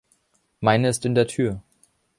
Meine ist in der Tür.